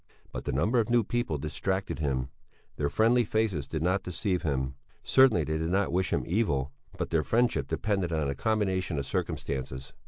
But the number of new people distracted him; their friendly faces did not deceive him; certainly they did not wish him evil, but their friendship depended on a combination of circumstances.